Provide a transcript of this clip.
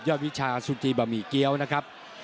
ยอดวิชาสุเตียบราหมีเกี๊ยวใกล้ครับ